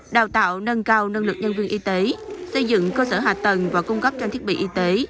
đào tạo nâng cao năng lực nhân viên y tế xây dựng cơ sở hạ tầng và cung cấp trang thiết bị y tế